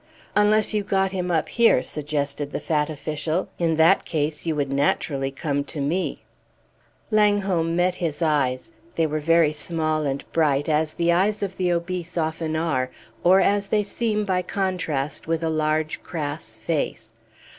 "Unless you got him up here," suggested the fat official. "In that case you would naturally come to me." Langholm met his eyes. They were very small and bright, as the eyes of the obese often are, or as they seem by contrast with a large crass face.